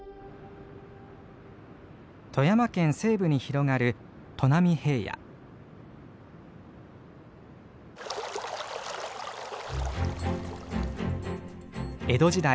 富山県西部に広がる江戸時代